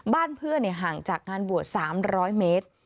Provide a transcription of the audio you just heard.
บ้านเพื่อนห่างจากงานบวช๓๐๐เมตร